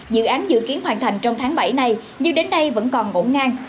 dự án dự kiến hoàn thành trong tháng bảy này nhưng đến nay vẫn còn ngỗ ngang